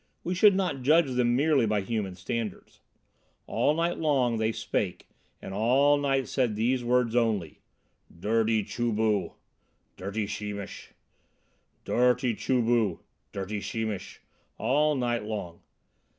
We should not judge them merely by human standards. All night long they spake and all night said these words only: "Dirty Chu bu," "Dirty Sheemish." "Dirty Chu bu," "Dirty Sheemish," all night long.